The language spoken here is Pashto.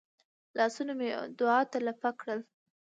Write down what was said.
لاسونه مې دعا ته لپه کړل.